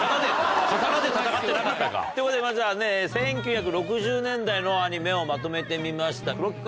刀で戦ってなかったか？ということで、まずは１９６０年代のアニメをまとめてみました。